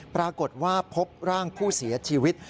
ปรากฏว่าพบร่างผู้เสียชีวิต